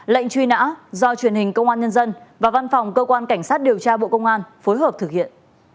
lệnh truy nã do truyền hình công an nhân dân và văn phòng cơ quan cảnh sát điều tra bộ công an phối hợp thực hiện